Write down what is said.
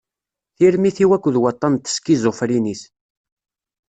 Tirmit-iw akked waṭṭan n teskiẓufrinit.